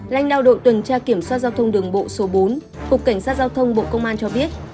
lãnh đạo đội tuần tra kiểm soát giao thông đường bộ số bốn cục cảnh sát giao thông bộ công an cho biết